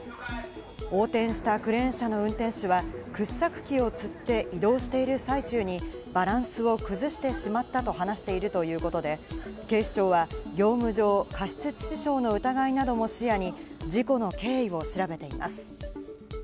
横転したクレーン車の運転手は掘削機をつって移動している最中にバランスを崩してしまったと話しているということで、警視庁は業務上過失致死傷の疑いなども視野に事故の経緯を調べています。